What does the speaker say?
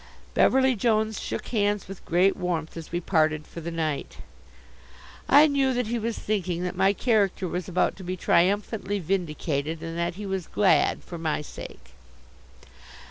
Beverly Jones shook hands with great warmth as we parted for the night. I knew that he was thinking that my character was about to be triumphantly vindicated, and that he was glad for my sake.